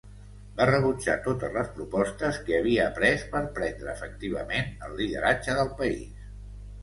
Va rebutjar totes les propostes que havia pres per prendre efectivament el lideratge del país.